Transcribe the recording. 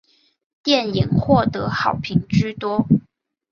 电影获得好评居多。